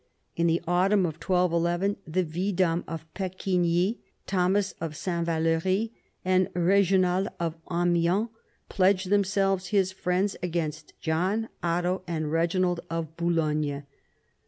In the autumn of 1211 the vidame of Pecquigny, Thomas of S. Valery, and Eeginald of Amiens, pledged themselves his friends against John, Otto, and Reginald of Boulogne.